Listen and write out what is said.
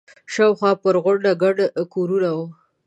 شاوخوا پر غونډۍ ګڼ کورونه دي.